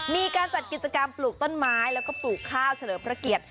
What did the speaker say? มีการจัดกิจกรรมปลูกต้นไม้แล้วก็ปลูกข้าวเฉลิมพระเกียรติ